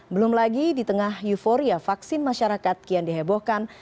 belum lagi di tengah euforia vaksin masyarakat kian dihebohkan